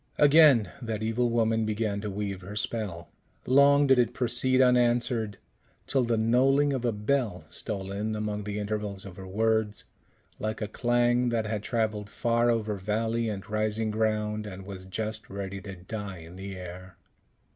Again that evil woman began to weave her spell. Long did it proceed unanswered, till the knolling of a bell stole in among the intervals of her words, like a clang that had travelled far over valley and rising ground, and was just ready to die in the air.